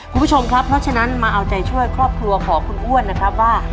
คุณผู้ชมครับเพราะฉะนั้นมาเอาใจช่วยครอบครัวของคุณอ้วนนะครับว่า